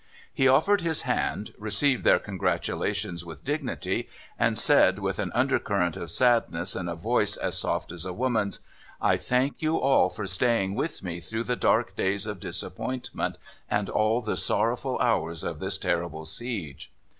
He offered his hand, received their congratulations with dignity, and said with an under current of sadness and a voice as soft as a woman's: "I thank you all for staying with me through the dark days of disappointment and all the sorrowful hours of this terrible siege."